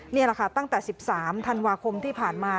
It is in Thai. นี่แหละค่ะตั้งแต่๑๓ธันวาคมที่ผ่านมา